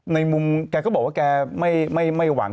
ในมุมแกก็บอกว่าแกไม่หวัง